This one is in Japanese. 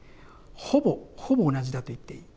ほぼほぼ同じだと言っていい。